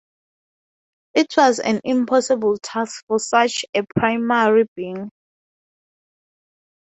It was an impossible task for such a primal being.